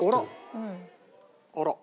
あら。